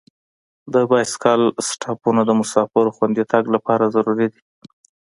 د بایسکل سټاپونه د مسافرو خوندي تګ لپاره ضروري دي.